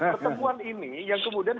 pertemuan ini yang kemudian